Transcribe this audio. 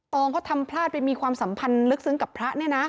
องเขาทำพลาดไปมีความสัมพันธ์ลึกซึ้งกับพระเนี่ยนะ